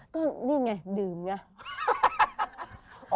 ก็นี่ไงดื่มไง